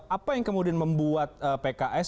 apa yang kemudian membuat pks